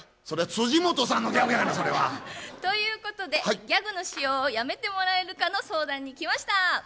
それは本さんのギャグやがなそれは。ということでギャグの使用をやめてもらえるかの相談に来ました。